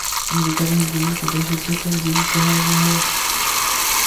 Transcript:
امریکا نے Hezbollah کو دہشت گرد تنظیم کہا ہوا ہے۔